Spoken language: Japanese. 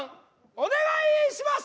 お願いします！